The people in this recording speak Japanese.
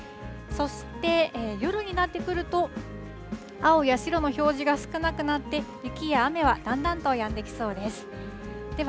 そして夜になってくると、青や白の表示が少なくなって、雪や雨はだんだんとやんできそうです。